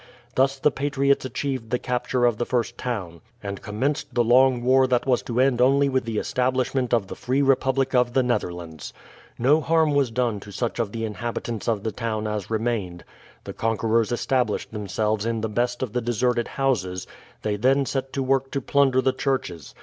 Thus the patriots achieved the capture of the first town, and commenced the long war that was to end only with the establishment of the Free Republic of the Netherlands. No harm was done to such of the inhabitants of the town as remained. The conquerors established themselves in the best of the deserted houses; they then set to work to plunder the churches.